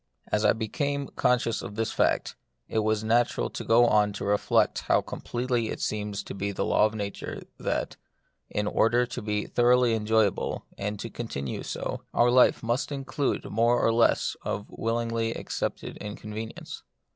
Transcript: As I became conscious of this fact, it was natural to go on to reflect how completely it seems to be a laWof our nature, that, in order to be thoroughly enjoyable, and to continue so, our life must include more or less of willingly accepted inconvenience.